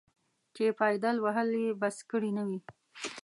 چې پایدل وهل یې بس کړي نه وي.